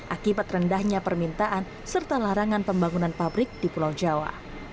akibat rendahnya permintaan serta larangan pembangunan pabrik di pulau jawa